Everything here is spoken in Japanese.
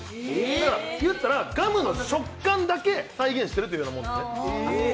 言ったら、ガムの食感だけ再現してるっていうもんですね。